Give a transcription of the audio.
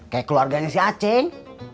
kayak keluarganya si aceh